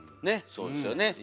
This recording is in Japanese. そうですよね？